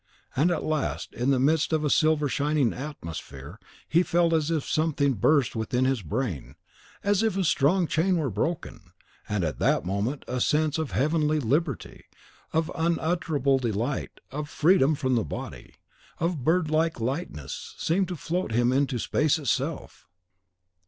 And at last, in the midst of a silver shining atmosphere, he felt as if something burst within his brain, as if a strong chain were broken; and at that moment a sense of heavenly liberty, of unutterable delight, of freedom from the body, of birdlike lightness, seemed to float him into the space itself.